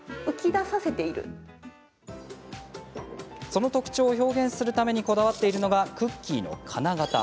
その特徴を表現するためにこだわっているのがクッキーの金型。